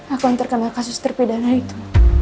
aku yang terkena kasus terpidana itu